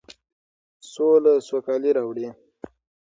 سوله سوکالي راوړي.